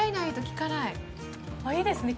私いいですね